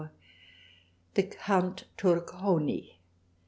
The Count Turconi.